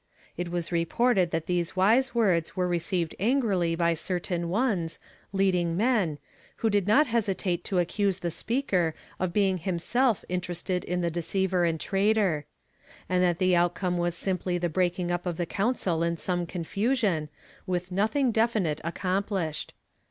It was reported that these wise words were re ceived angrily by certain ones, leading men, who did not hesitate to accuse the speaker of being himself interested in the deceiver and traitor; and that the outcome was simply the breaking up of the council in some confusion, with nothing defi nite accomplished.